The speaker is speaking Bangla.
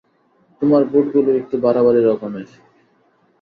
তোমার বুটগুলো একটু বাড়াবাড়ি রকমের।